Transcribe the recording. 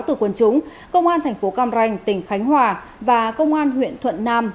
từ quân chúng công an thành phố cam ranh tỉnh khánh hòa và công an huyện thuận nam